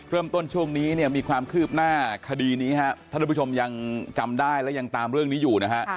ช่วงนี้เนี่ยมีความคืบหน้าคดีนี้ครับท่านผู้ชมยังจำได้และยังตามเรื่องนี้อยู่นะฮะ